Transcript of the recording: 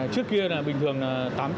trước kia bình thường là